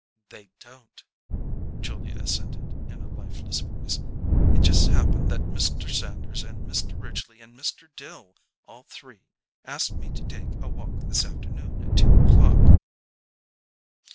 "They don't," Julia assented in a lifeless voice. "It just happened that Mr. Sanders and Mr. Ridgley and Mr. Dill, all three, asked me to take a walk this afternoon at two o'clock."